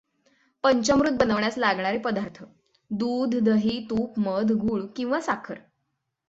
पंचामृत बनवण्यास लागणारे पदार्थ दूध दही तूप मध गूळ किंवा साखर.